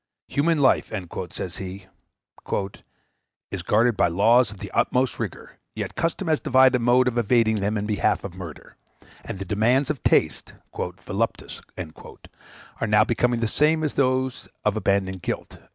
"Human life," says he, "is guarded by laws of the uttermost rigor, yet custom has devised a mode of evading them in behalf of murder; and the demands of taste (voluptas) are now become the same as those of abandoned guilt."